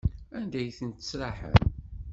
Anda ay ten-tesraḥem?